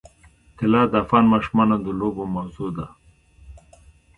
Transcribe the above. طلا د افغان ماشومانو د لوبو موضوع ده.